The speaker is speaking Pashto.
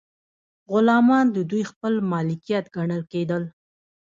غلامان د دوی خپل مالکیت ګڼل کیدل.